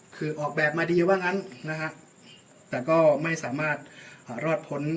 คือออกแบบมาดีว่างั้นนะฮะแต่ก็ไม่สามารถรอดพ้น